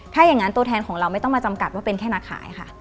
ถ้าอย่างนั้นตัวแทนของเราไม่ต้องมาจำกัดว่าเป็นแค่นักขายค่ะ